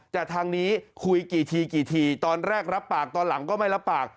แต่ทางนี้คุยกี่ทีกี่ทีตอนแรกรับปากตอนหลังก็ไม่รับปาก